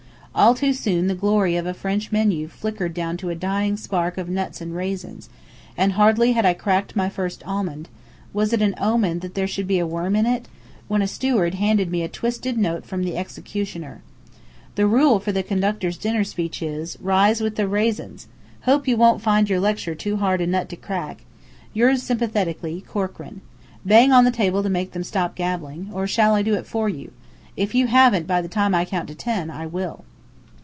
All too soon the glory of a French menu flickered down to a dying spark of nuts and raisins, and hardly had I cracked my first almond (was it an ill omen that there should be a worm in it?) when a steward handed me a twisted note from the executioner. "The rule for conductor's dinner speech is, rise with the raisins! Hope you won't find your lecture too hard a nut to crack. Yours sympathetically, Corkran. Bang on the table to make them stop gabbling. Or shall I do it for you? If you haven't by the time I count ten, I will."